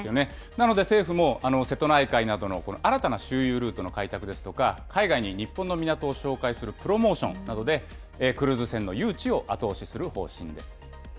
なので政府も、瀬戸内海などのこの新たな周遊ルートの開拓ですとか、海外に日本の港を紹介するプロモーションなどで、クルーズ船の誘致を後押しする方針です。